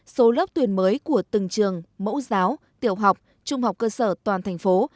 số lớp tuyển mới của từng trường mẫu giáo tiểu học trung học cơ sở toàn thành phố